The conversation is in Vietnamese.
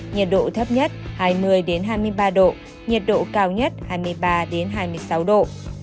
nhiệt độ thấp nhất hai mươi hai mươi ba độ nhiệt độ cao nhất hai mươi ba hai mươi sáu độ